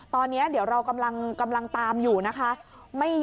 ตอนนี้เดี๋ยวเรากำลังตามอยู่นะคะ